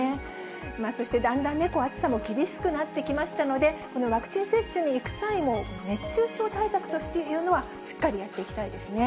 そして、だんだんね、暑さも厳しくなってきましたので、このワクチン接種に行く際も、熱中症対策というのはしっかりやっていきたいですね。